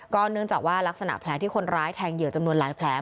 เนื่องจากว่ารักษณะแผลที่คนร้ายแทงเหยื่อจำนวนหลายแผล